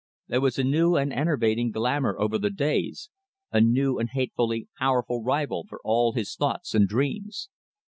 There was a new and enervating glamour over the days, a new and hatefully powerful rival for all his thoughts and dreams.